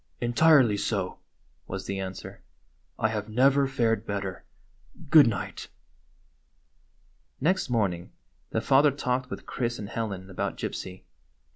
"Entirely so," was the answer. "I have never fared better. Good night." Next morning the father talked with Chris and Helen about Gypsy.